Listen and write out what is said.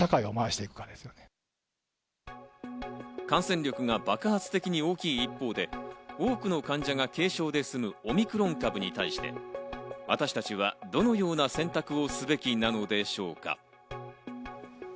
感染力が爆発的に大きい一方で、多くの患者が軽症で済むオミクロン株に対して、私たちはどのような選択をすべきなのでしょうか。